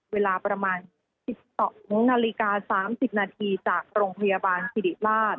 เวลาประมาณ๑๒นาฬิกา๓๐นาทีจากโรงพยาบาลสิริราช